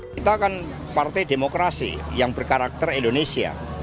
kita kan partai demokrasi yang berkarakter indonesia